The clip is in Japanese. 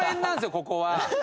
ここは。